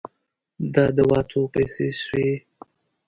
د دوا څو پیسې سوې؟